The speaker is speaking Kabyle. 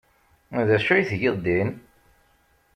D acu ay tgiḍ din?